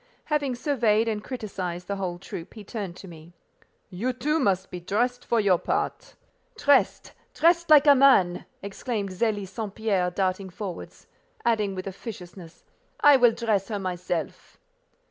Having surveyed and criticized the whole troop, he turned to me. "You, too, must be dressed for your part." "Dressed—dressed like a man!" exclaimed Zélie St. Pierre, darting forwards; adding with officiousness, "I will dress her myself."